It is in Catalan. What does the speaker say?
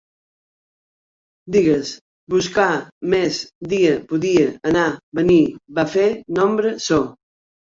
Digues: buscar, més, dia, podia, anar, venir, va fer, nombre, so